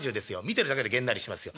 見てるだけでげんなりしますよ。